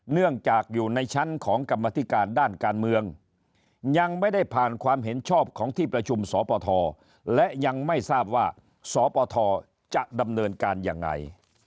เนื่องจากอยู่ในชั้นของกรรมธิการด้านการเมืองยังไม่ได้ผ่านความเห็นชอบของที่ประชุมสปทและยังไม่ทราบว่าสปทจะดำเนินการยังไง